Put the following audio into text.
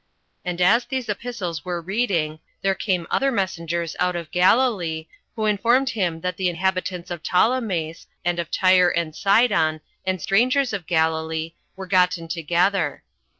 And as these epistles were reading, there came other messengers out of Galilee, who informed him that the inhabitants of Ptolemais, and of Tyre and Sidon, and strangers of Galilee, were gotten together.